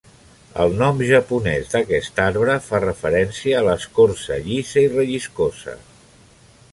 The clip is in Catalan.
El nom japonès d'aquest arbre fa referència a l'escorça llisa i relliscosa.